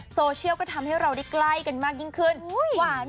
โซเชียลก็ทำให้เราได้ใกล้กันมากยิ่งขึ้นหวาน